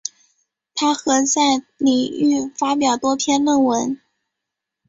她和在领域发表多篇论文。